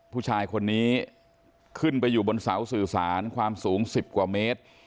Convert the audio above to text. ผู้ชายคนนี้ขึ้นไปอยู่บนเสาสื่อสารความสูง๑๐กว่าเมตร